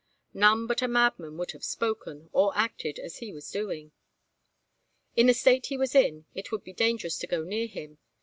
None but a madman would have spoken, or acted, as he was doing. In the state he was in, it would be dangerous to go near him.